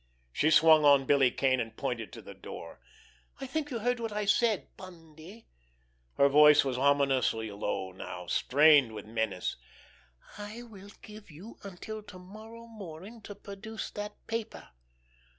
She swung on Billy Kane, and pointed to the door. "I think you heard what I said, Bundy"—her voice was ominously low now, strained with menace—"I will give you until to morrow morning to produce that paper.